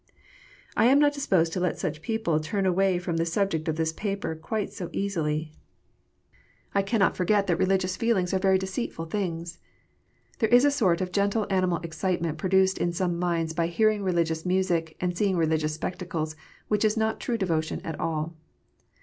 I am not disposed to let such people turn away from the subject of this paper quite so easily. I cannot forget that WOKSHIP. 295 religious feelings are very deceitful things. There is a sort of gentle animal excitement produced in some minds by hearing religious music and seeing religious spectacles, which is not true devotion at all.